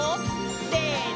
せの！